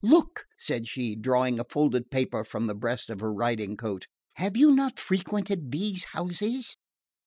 "Look," said she, drawing a folded paper from the breast of her riding coat. "Have you not frequented these houses?"